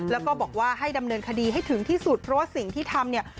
แล้วก็บอกว่าให้ดำเนินคดีให้ถึงที่สุดเพราะว่าสิ่งที่ทำเนี่ย